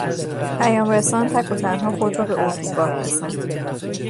پیام رسان تک و تنها خود را به اردوگاه رساند.